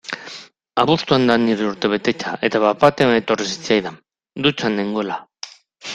Abuztuan da nire urtebetetzea eta bat-batean etorri zitzaidan, dutxan nengoela.